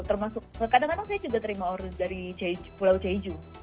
termasuk kadang kadang saya juga terima order dari pulau cju